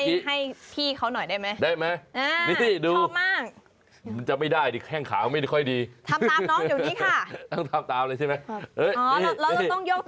ให้พี่เขาหน่อยได้ไหมนี่สิดูได้ไหมนี่สิชอบมาก